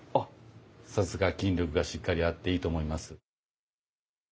さすが筋力がしっかりあっていいと思います。